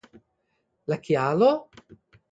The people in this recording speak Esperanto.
La kialo ?